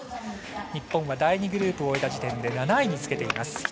日本は第２グループを終えた時点で７位につけています。